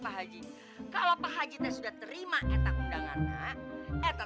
pak haji kalau pak haji sudah terima undangannya